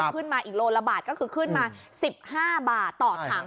ขึ้นมาอีกโลละบาทก็คือขึ้นมา๑๕บาทต่อถัง